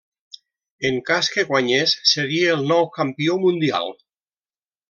En cas que guanyés, seria el nou campió mundial.